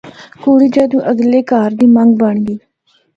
کڑی جدوں اگلے کہار دی منگ بنڑ گئی۔